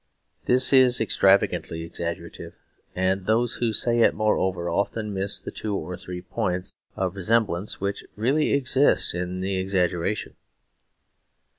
This is extravagantly exaggerative; and those who say it, moreover, often miss the two or three points of resemblance which really exist in the exaggeration.